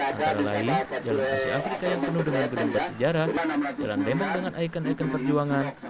antara lain jalur kursi afrika yang penuh dengan bidang bersejarah jalan rembang dengan ikon ikon perjuangan